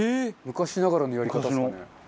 昔ながらのやり方ですかね。